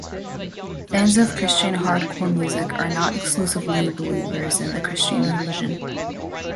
Fans of Christian hardcore music are not exclusively believers in the Christian religion.